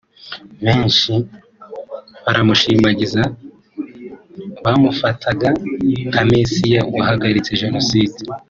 benshi baramushimagizaga bamufataga nka messiah wahagaritse jenoside